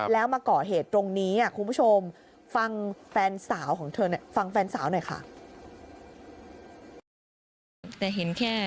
แล้วมาก่อเหตุตรงนี้คุณผู้ชมฟังแฟนสาวของเธอฟังแฟนสาวหน่อยค่ะ